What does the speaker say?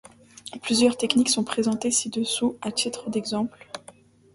Plusieurs techniques sont présentées ci-dessous à titre d'exemple.